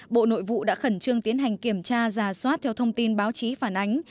bộ nội vụ đã khẩn trương tiến hành kiểm tra giả soát theo thông tin báo chí phản ánh